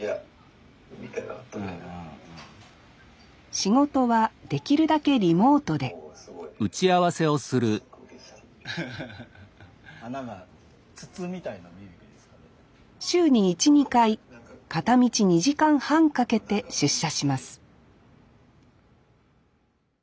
仕事はできるだけリモートで週に１２回片道２時間半かけて出社します